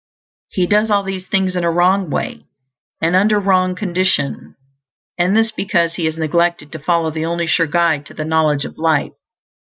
He does all these things in a wrong way, and under wrong conditions; and this because he has neglected to follow the only sure guide to the knowledge of life.